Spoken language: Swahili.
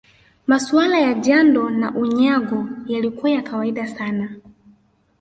Masuala ya jando na Unyago yalikuwa ya kawaida sana